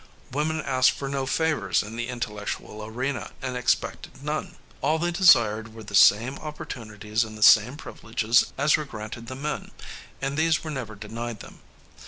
Women asked for no favors in the intellectual arena and expected none. All they desired were the same opportunities and the same privileges as were granted the men, and these were never denied them.